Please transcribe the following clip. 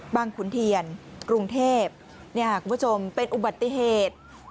บังขุนเทียนกรุงเทพฯนี่ค่ะคุณผู้ชมเป็นอุบัติเหตุ